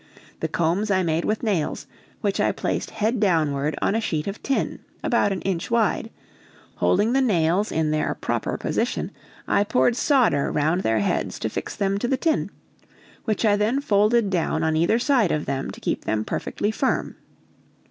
The combs I made with nails, which I placed head downward on a sheet of tin about an inch wide; holding the nails in their proper position I poured solder round their heads to fix them to the tin, which I then folded down on either side of them to keep them perfectly firm.